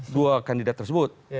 dua kandidat tersebut